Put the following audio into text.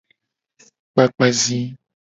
Kpakpa zi.